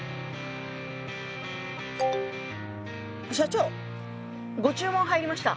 社長ご注文入りました。